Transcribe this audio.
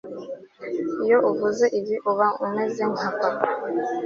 Iyo uvuze ibi uba umeze nka papa